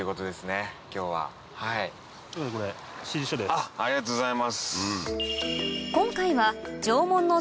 ありがとうございます。